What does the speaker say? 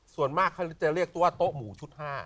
ส่วนมากเขาจะเรียกตัวโต๊ะหมูชุด๕